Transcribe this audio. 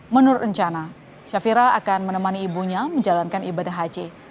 menurut rencana syafira akan menemani ibunya menjalankan ibadah haji